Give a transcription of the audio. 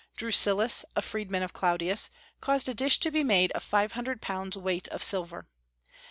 Drusillus, a freedman of Claudius, caused a dish to be made of five hundred pounds weight of silver.